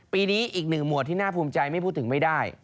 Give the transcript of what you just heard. ปีนี้อีกหนึ่งหมวดที่น่าภูมิใจไม่พูดถึงไม่ได้